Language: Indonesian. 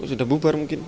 sudah bubar mungkin